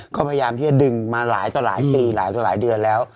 เขาพยายามที่จะดึงมาหลายต่อหลายปีหลายต่อหลายเดือนแล้ว